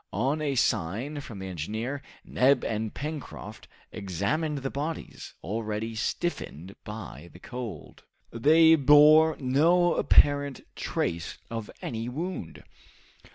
On a sign from the engineer, Neb and Pencroft examined the bodies, already stiffened by the cold. They bore no apparent trace of any wound.